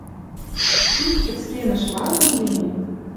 Чуч пӹцкемӹш вазын гӹньӹ